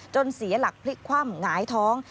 เสียหลักพลิกคว่ำหงายท้อง